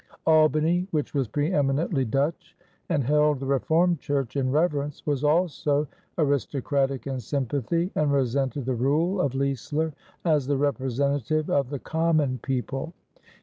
Albany, which was preëminently Dutch and held the Reformed Church in reverence, was also aristocratic in sympathy and resented the rule of Leisler as the representative of the common people.